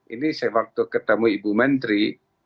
ini saya waktu ketemu ibu menteri